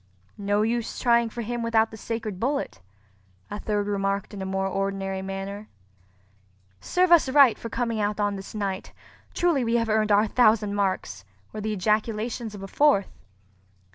"No use trying for him without the sacred bullet," a third remarked in a more ordinary manner. "Serve us right for coming out on this night! Truly we have earned our thousand marks!" were the ejaculations of a fourth.